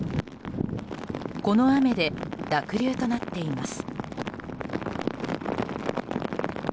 この雨で濁流となっています。